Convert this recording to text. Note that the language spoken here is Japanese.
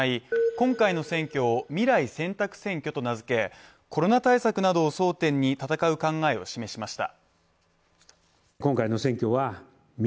今回の選挙を未来選択選挙と名付けコロナ対策などを争点に戦う考えを示しました。